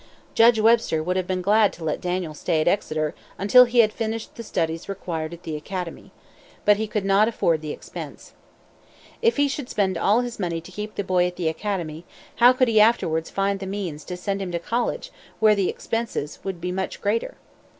Judge Webster would have been glad to let Daniel stay at Exeter until he had finished the studies required at the academy. But he could not afford the expense. If he should spend all his money to keep the boy at the academy, how could he afterwards find the means to send him to college where the expenses would be much greater?